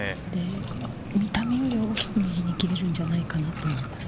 見た目より大きく右に切れるんじゃないかなと思います。